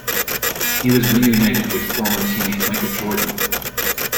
He was reunited with former teammate Michael Jordan.